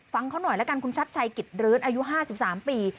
ฟังเขาหน่อยละกันคุณชัดชัยกิจรื้นอายุ๕๓ปี